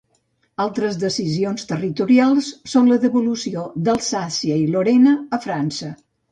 Altres decisions territorials són la devolució d'Alsàcia i Lorena a França.